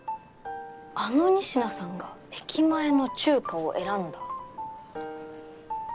あの仁科さんが駅前の中華を選んだ。